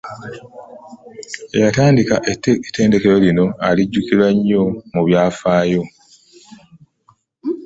Eyatandikawo ettendekero lino alijjukirwa nnyo mu byafaayo.